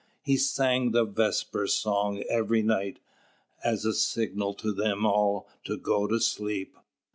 He sang the vesper song every night, as a signal to them all to go to sleep.